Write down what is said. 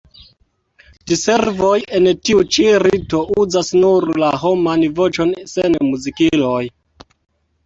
Diservoj en tiu ĉi rito uzas nur la homan voĉon sen muzikiloj.